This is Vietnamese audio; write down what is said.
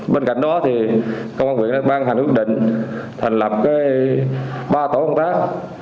bên cạnh đó công an huyện đã ban hành ước định thành lập ba tổ công tác